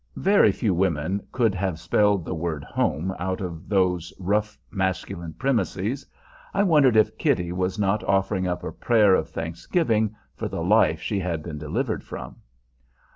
Very few women could have spelled the word "home" out of those rough masculine premises. I wondered if Kitty was not offering up a prayer of thanksgiving for the life she had been delivered from.